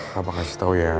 bapak kasih tau ya